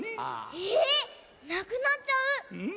えなくなっちゃう⁉うん。